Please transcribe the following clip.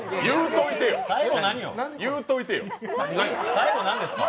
最後何ですか？